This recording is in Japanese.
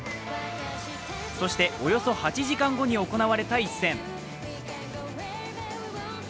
そしておよそ８時間後に行われた一戦。